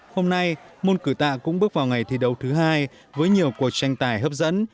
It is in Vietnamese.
hôm nay môn cử tạ cũng bước vào ngày thi đấu thứ hai với nhiều cuộc tranh tài hấp dẫn